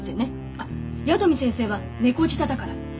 あ矢富先生は猫舌だから。